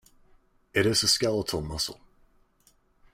It is a skeletal muscle.